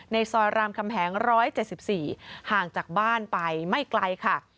ซอยรามคำแหง๑๗๔ห่างจากบ้านไปไม่ไกลค่ะ